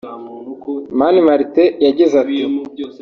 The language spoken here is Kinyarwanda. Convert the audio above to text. Mani Martin yagize ati